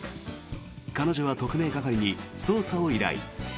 彼女は特命係に捜査を依頼。